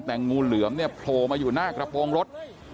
แต่งูเหลือมเนี่ยโผล่มาอยู่หน้ากระโปรงรถ